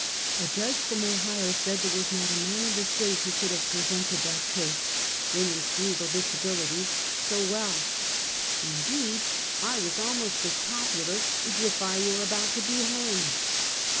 A judge from Ohio said there was " not a man in the State who could have presented that case (Woman's Legal Disa bilities) so well." Indeed, 1 was almost as popular as if I were about to be hanged!